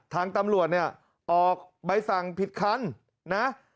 ทางตำรวจเนี่ยออกใบสั่งผิดคันนะ